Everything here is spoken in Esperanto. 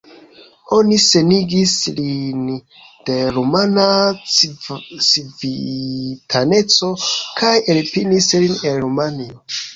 Oni senigis lin de rumana civitaneco kaj elpelis lin el Rumanio.